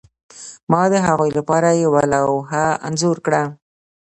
ما د هغوی لپاره یوه لوحه انځور کړه